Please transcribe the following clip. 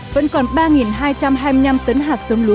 vẫn còn ba hai trăm hai mươi năm tấn hạt giống lúa